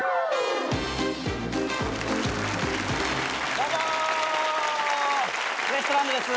どうもウエストランドです。